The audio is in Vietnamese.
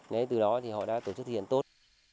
đấy từ đó thì họ đã tổ chức thực hiện tốt